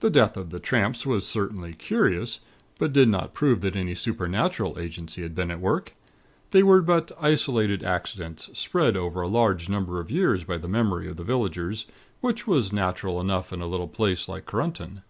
The death of the tramps was certainly curious; but did not prove that any supernatural agency had been at work. They were but isolated accidents, spread over a large number of years by the memory of the villagers, which was natural enough in a little place like Korunton.